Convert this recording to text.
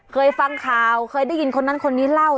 เคยฟังข่าวเคยได้ยินคนนั้นคนนี้เล่า